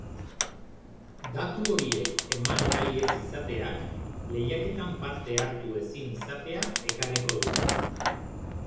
Datu horiek eman nahi ez izateak lehiaketan parte hartu ezin izatea ekarriko du.